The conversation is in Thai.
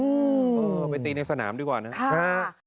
เออไปตีในสนามดีกว่านะครับ